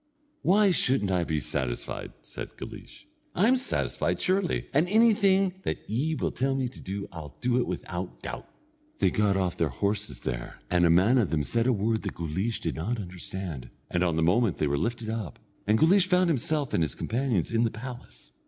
"Why shouldn't I be satisfied?" said Guleesh. "I'm satisfied, surely, and anything that ye will tell me to do I'll do it without doubt." They got off their horses there, and a man of them said a word that Guleesh did not understand, and on the moment they were lifted up, and Guleesh found himself and his companions in the palace.